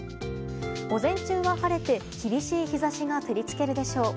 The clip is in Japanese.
午前中は晴れて、厳しい日差しが照りつけるでしょう。